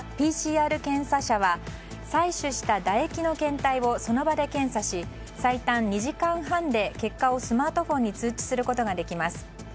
ＰＣＲ検査車は採取した唾液の検体をその場で検査し、最短２時間半で結果をスマートフォンに通知することができます。